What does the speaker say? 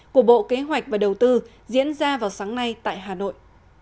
của bộ kế hoạch và đầu tư diễn ra vào sáng nay tại hà nội